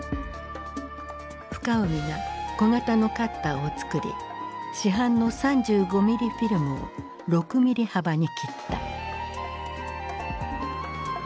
深海が小型のカッターをつくり市販の３５ミリフィルムを６ミリ幅に切った。